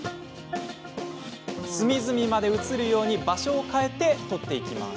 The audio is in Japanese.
隅々まで写るように場所を変えて撮っていきます。